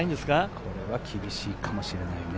これは厳しいかもしれないね。